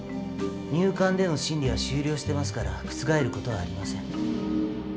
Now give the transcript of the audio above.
入管での審理は終了してますから覆ることはありません。